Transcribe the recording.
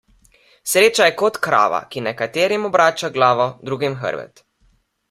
Sreča je kot krava, ki nekaterim obrača glavo, drugim hrbet.